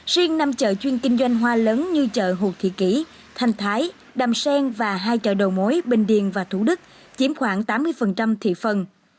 riêng năm chợ chuyên kinh doanh hoa lớn như chợ hồt thị thanh thái đàm sen và hai chợ đầu mối bình điền và thủ đức chiếm khoảng tám mươi thị phần